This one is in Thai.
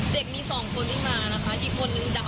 เด็กมีสองคนที่มานะคะอีกคนนึงดำอีกคนนึงผิวขาว